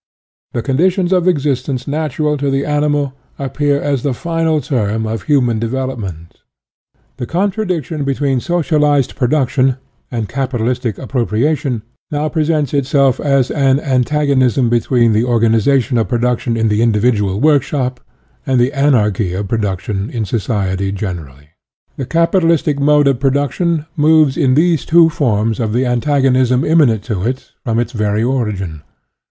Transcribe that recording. The conditions of existence natural to the animal appear as the final term of human develooment. The contradiction between socialized pro duction and capitalistic appropriation now presents itself as an antagonism between the organisation of production in the individual workshop and the anarchy of production in society generally. The capitalistic k mode of production moves in these two forms of the antagonism immanent te> it from its very origin.